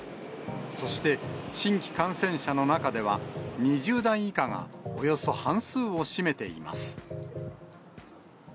そして新規感染者の中では、２０代以下がおよそ半数を占めています。